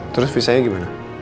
terus visa nya gimana